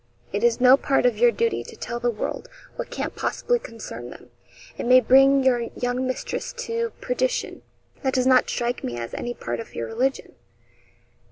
It is no part of your duty to tell the world what can't possibly concern them, and may bring your young mistress to perdition. That does not strike me as any part of your religion.'